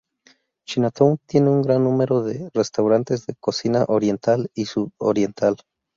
Chinatown tiene un gran número de restaurantes de cocina oriental y sudoriental.